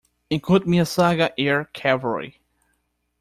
Encontre-me a saga Air Cavalry